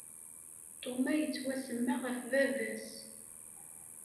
Thomas yettwasemma ɣef baba-s.